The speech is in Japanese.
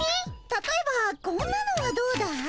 たとえばこんなのはどうだい？